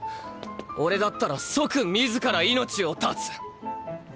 俺だったら即自ら命を絶つ。